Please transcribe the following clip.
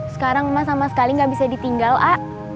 sekarang emas sama sekali gak bisa ditinggal a